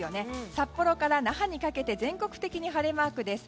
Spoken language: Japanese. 札幌から那覇にかけて全国的に晴れマークです。